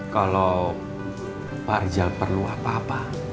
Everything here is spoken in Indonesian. kalo pak rijal perlu apa apa